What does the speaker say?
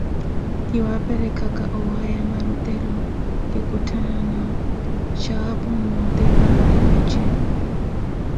Kiwaperekhaka owaya, marutelo kikutthanana xhapu mmote ari vaxeele.